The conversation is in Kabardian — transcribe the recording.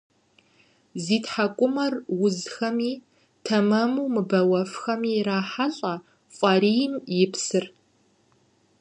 Зи тхьэкӏумэр узхэми, тэмэму мыбэуэфхэми ирахьэлӏэ фӏарийм и псыр.